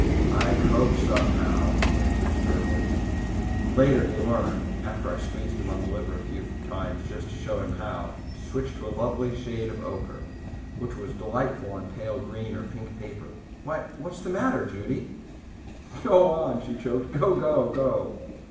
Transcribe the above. "I coped somehow," he answered sturdily. "Later he learned after I squeezed him on the liver a few times just to show him how to switch to a lovely shade of ochre, which was delightful on pale green or pink paper. Why, what's the matter, Judy?" "Go on," she choked. "Go go go!"